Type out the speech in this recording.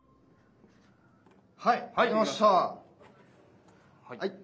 はいかけました！